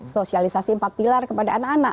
sosialisasi empat pilar kepada anak anak